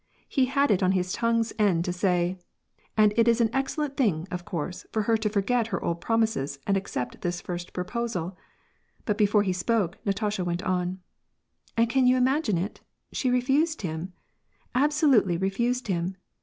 , He had it on his tongue's end to say :" And it is an excellent thing, of course, for her to forget her old promises, and accept this first proposal," but before he spoke, Natasha went on, —" And can you imagine it, she refused him ?— absolutely refused him